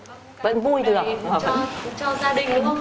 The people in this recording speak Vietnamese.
cho gia đình đúng không